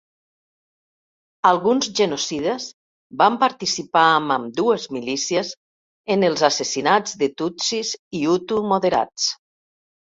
Alguns genocides van participar amb ambdues milícies en els assassinats de tutsis i hutu moderats.